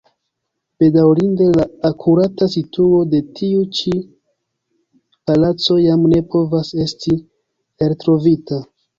Bedaŭrinde la akurata situo de tiu ĉi palaco jam ne povas esti eltrovita.